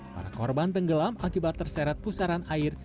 para korban tenggelam akibat terseret pusaran air